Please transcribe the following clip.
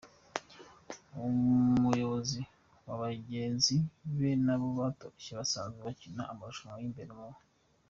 umuyobozi wa bagenzi be nabo batoroshye basanzwe bakina amarushanwa y’imbere mu